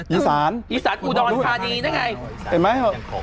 อีสานอูดอนพาดีนะไง